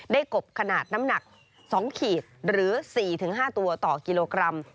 กบขนาดน้ำหนัก๒ขีดหรือ๔๕ตัวต่อกิโลกรัม